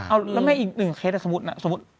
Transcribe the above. อ้าวแล้วไม่อีก๑เคสอ่ะสมมุตินะ